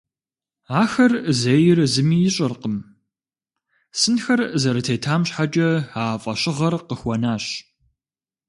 Ахэр зейр зыми ищӏэркъым, сынхэр зэрытетам щхьэкӏэ а фӏэщыгъэр къыхуэнащ.